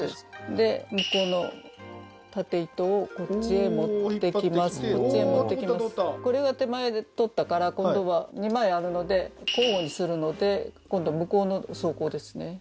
で向こうの経糸をこっちへ持ってきますおおー通った通ったこれが手前で取ったから今度は２枚あるので交互にするので今度向こうの綜絖ですね